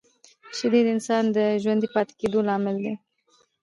شیدې د انسان د ژوندي پاتې کېدو لامل دي